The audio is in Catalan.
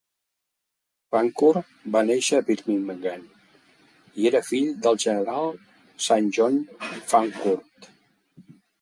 Fancourt va néixer a Birmingham, i era fill del general Saint John Fancourt.